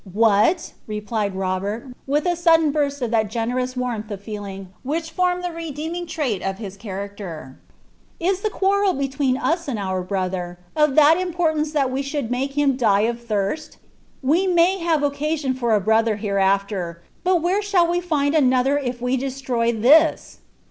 •* What !" replied Robert, with a sudden burst of that generous warmth of feeling which formed the redeeming trait of his character, ^ is the jnarrel between us and our brother of that importance that we should nake him die of thirst ? We may have occasion for a brother hereafter, yDt where shall we find another if we destroy this